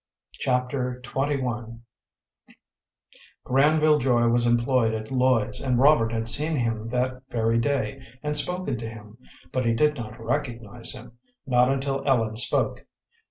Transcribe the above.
Chapter XXI Granville Joy was employed in Lloyd's, and Robert had seen him that very day and spoken to him, but he did not recognize him, not until Ellen spoke.